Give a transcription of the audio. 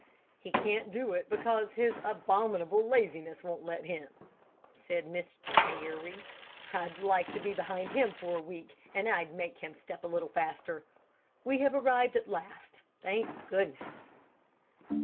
"He can't do it, because his abominable laziness won't let him," said Mr. Harry. "I'd like to be behind him for a week, and I'd make him step a little faster. We have arrived at last, thank goodness."